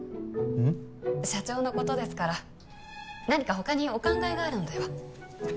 うん？社長のことですから何か他にお考えがあるのでは？